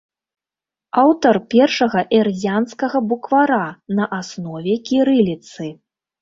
Аўтар першага эрзянскага буквара на аснове кірыліцы.